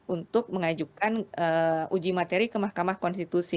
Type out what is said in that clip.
untuk mengajukan uji materi ke mahkamah konstitusi